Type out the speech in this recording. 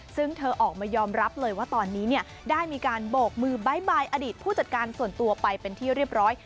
ซึ่งเธอออกมายอมรับเลยว่าตอนนี้เนี่ยได้มีการโบกมือบ๊ายบายอดีตผู้จัดการส่วนตัวไปเป็นที่เรียบร้อย